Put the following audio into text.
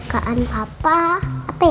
hmm kira kira rena mau masak apa